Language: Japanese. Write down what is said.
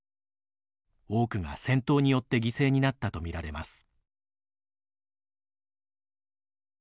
多くが戦闘によって犠牲になったとみられます。